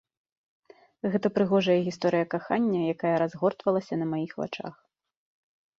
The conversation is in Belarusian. Гэта прыгожая гісторыя кахання, якая разгортвалася на маіх вачах.